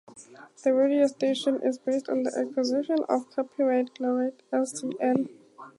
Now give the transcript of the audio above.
The radio station is based on the acquisition of Copyright Laureate Sdn.